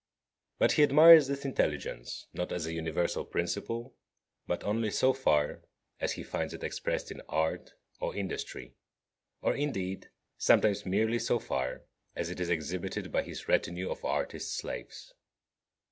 But he admires this intelligence not as a universal principle, but only so far as he finds it expressed in art or industry, or, indeed, sometimes merely so far as it is exhibited by his retinue of artist slaves.